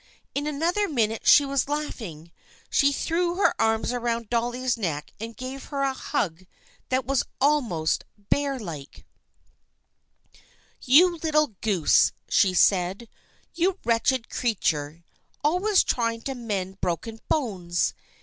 In another minute she was laugh ing. She threw her arms around Dolly's neck and gave her a hug that was almost bear like. THE FRIENDSHIP OF ANNE 263 " You little goose," she said, " you wretched creature, always trying to mend broken bones